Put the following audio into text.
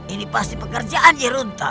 ini pasti pekerjaan yerunta